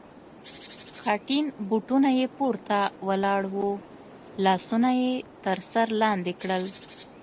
خټین بوټونه یې پورته ولاړ و، لاسونه یې تر سر لاندې کړل.